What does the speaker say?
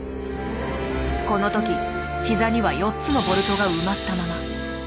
この時ひざには４つのボルトが埋まったまま。